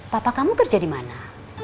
papa kamu kerja di mana